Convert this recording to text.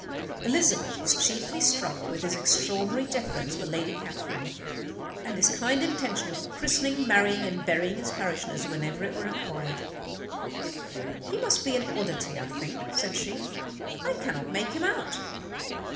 Elizabeth was chiefly struck with his extraordinary deference for Lady Catherine, and his kind intention of christening, marrying, and burying his parishioners whenever it were required. "He must be an oddity, I think," said she. "I cannot make him out.